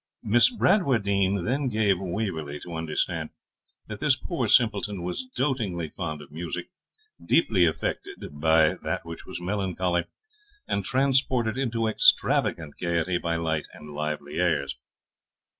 Miss Bradwardine then gave Waverley to understand that this poor simpleton was dotingly fond of music, deeply affected by that which was melancholy, and transported into extravagant gaiety by light and lively airs.